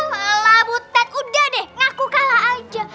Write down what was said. malah butet udah deh ngaku kalah aja